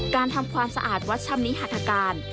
ทำความสะอาดวัดชำนิหัฐการ